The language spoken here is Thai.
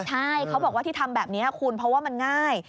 ใช่เขาบอกว่าที่ทำแบบนี้คุณเพราะว่ามันง่าย